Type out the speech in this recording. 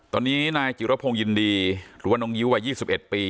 ตอนนี้นายจิรพงศ์ยินดีหรือว่าน้องยิ้ววัย๒๑ปี